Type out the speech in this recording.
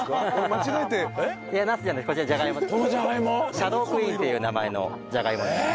シャドークイーンっていう名前のじゃがいもです。